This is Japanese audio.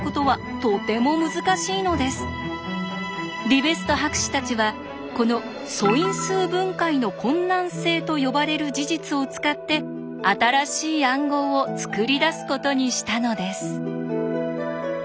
リベスト博士たちはこの「素因数分解の困難性」と呼ばれる事実を使って新しい暗号を作り出すことにしたのです。